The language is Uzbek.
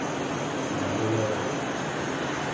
— Nima deb yozasiz?